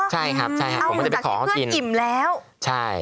เอามาจะเขาแม่นแล้วกิน